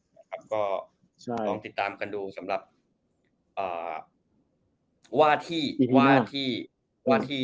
นะครับก็ใช่ลองติดตามกันดูสำหรับอ่าว่าที่ว่าที่ว่าที่